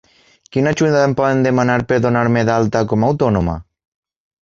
Quina ajuda em poden demanar per donar-me d'alta com a autònoma?